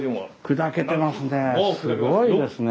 すごいですね。